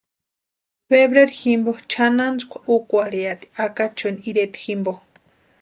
Febrero jimpo chʼanantsïkua úkwarhiati Acachueni ireta jimpo.